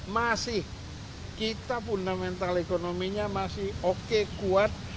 masih kita fundamental ekonominya masih oke kuat